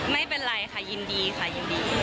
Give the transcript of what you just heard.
ไม่เป็นไรค่ะยินดีค่ะยินดี